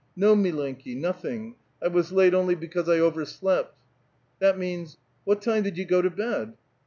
'* No, mllenki^ nothing; I was late only because I over slept." " That means — what time did you go to bed?"